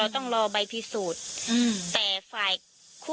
ต้องรอผลพิสูจน์จากแพทย์ก่อนนะคะ